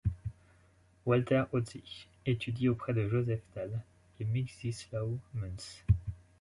Walter Hautzig étudie auprès de Josef Tal et Mieczysław Munz.